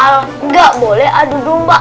nggak boleh adu domba